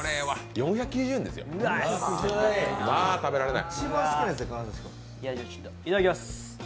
４９０円ですよ、まあ食べられない。